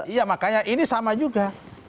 iya makanya ini sama juga